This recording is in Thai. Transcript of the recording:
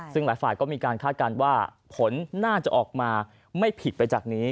ซึ่งหลายฝ่ายก็มีการคาดการณ์ว่าผลน่าจะออกมาไม่ผิดไปจากนี้